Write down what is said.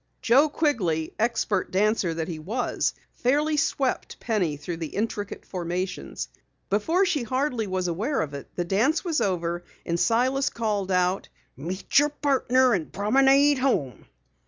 Joe Quigley, expert dancer that he was, fairly swept Penny through the intricate formations. Before she hardly was aware of it, the dance was over and Silas called out: "Meet your partner and promenade home."